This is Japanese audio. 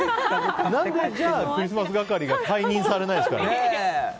何でクリスマス係が解任されないんですかね。